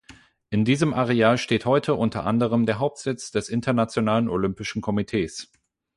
In diesem Areal steht heute unter anderem der Hauptsitz des Internationalen Olympischen Komitees.